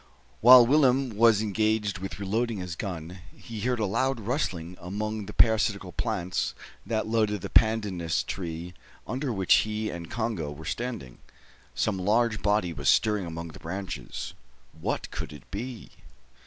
While Willem was engaged reloading his gun, he heard a loud rustling among the parasitical plants that loaded the pandanus tree under which he and Congo were standing. Some large body was stirring among the branches. What could it be?